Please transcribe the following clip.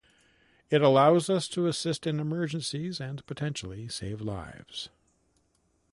It allows us to assist in emergencies and potentially save lives.